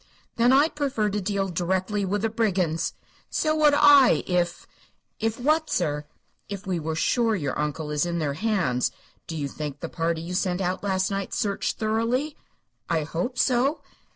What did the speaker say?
"Then I'd prefer to deal directly with the brigands." "So would I, if " "If what, sir?" "If we were sure your uncle is in their hands. Do you think the party you sent out last night searched thoroughly?" "I hope so."